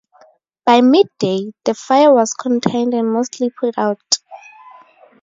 By mid-day, the fire was contained and mostly put out.